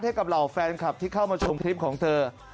ให้กับเหล่าแฟนคลับที่เข้ามาชมคลิปของเธอ